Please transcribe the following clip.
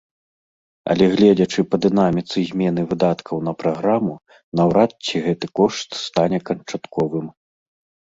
Але гледзячы па дынаміцы змены выдаткаў на праграму, наўрад ці гэты кошт стане канчатковым.